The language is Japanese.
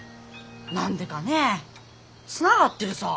何でかねえつながってるさー！